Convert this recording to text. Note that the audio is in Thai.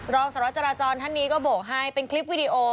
รองสารวจราจรท่านนี้ก็โบกให้เป็นคลิปวิดีโอ